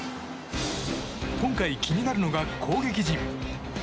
今回、気になるのが攻撃陣。